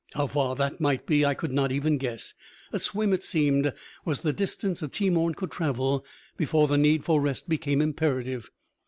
How far that might be, I could not even guess. A swim, it seemed, was the distance a Teemorn could travel before the need for rest became imperative.